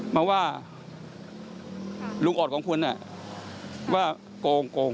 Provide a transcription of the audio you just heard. มาว่าค่ะลุงออดของคุณน่ะค่ะว่าโกงโกง